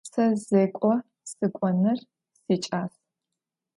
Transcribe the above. Se zêk'o sık'onır siç'as.